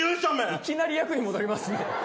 いきなり役に戻りますね。